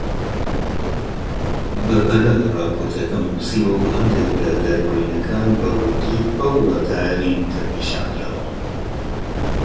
بەپەلە راپۆرتەکەم نووسیوە و هەندێک لە دەربڕینەکان بە وردی بەو واتایە نین کە پیشاندراون